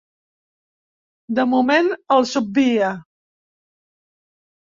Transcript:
De moment els obvia.